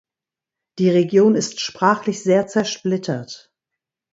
Die Region ist sprachlich sehr zersplittert.